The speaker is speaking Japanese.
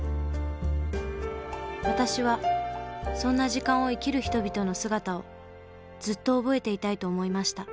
私はそんな時間を生きる人々の姿をずっと覚えていたいと思いました。